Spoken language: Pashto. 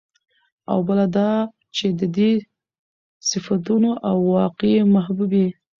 او بله دا چې د دې صفتونو او واقعي محبوبې